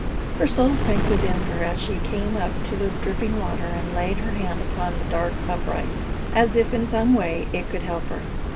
Her soul sank within her as she came up to the dripping water and laid her hand upon the dark upright, as if in some way it could help her.